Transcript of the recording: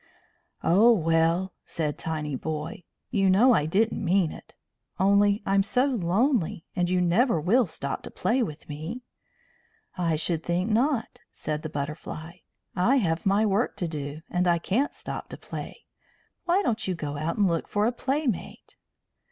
"Oh, well," said Tinyboy, "you know I didn't mean it. Only I'm so lonely, and you never will stop to play with me." "I should think not," said the Butterfly. "I have my work to do, and I can't stop to play. Why don't you go out and look for a playmate?"